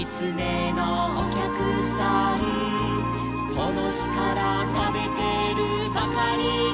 「そのひからたべてるばかりで」